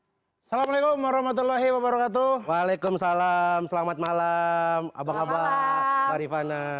hai assalamualaikum warahmatullahi wabarakatuh waalaikumsalam selamat malam abang abang marifana